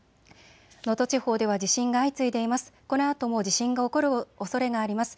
能登地方では地震が相次いでいます。